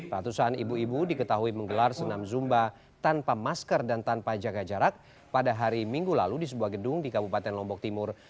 ratusan ibu ibu diketahui menggelar senam zumba tanpa masker dan tanpa jaga jarak pada hari minggu lalu di sebuah gedung di kabupaten lombok timur